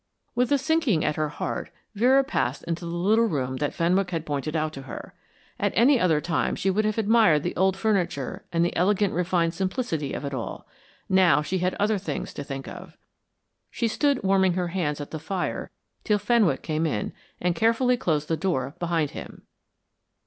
With a sinking at her heart Vera passed into the little room that Fenwick had pointed out to her. At any other time she would have admired the old furniture and the elegant refined simplicity of it all; now she had other things to think of. She stood warming her hands at the fire till Fenwick came in and carefully closed the door behind him.